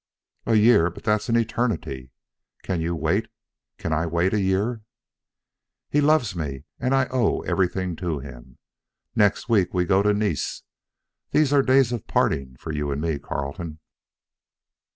"A year? But that's an eternity! Can you wait, can I wait a year?" "He loves me and I owe everything to him. Next week we go to Nice. These are days of parting for you and me, Carleton."